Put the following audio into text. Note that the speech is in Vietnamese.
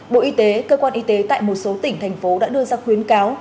bộ y tế cơ quan y tế tại một số tỉnh thành phố đã đưa ra khuyến cáo